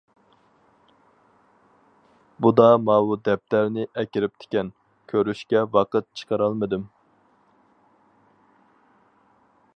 بۇدا ماۋۇ دەپتەرنى ئەكىرىپتىكەن، كۆرۈشكە ۋاقىت چىقىرالمىدىم.